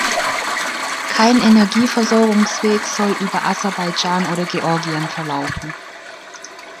Kein Energieversorgungsweg soll über Aserbaidschan oder Georgien verlaufen.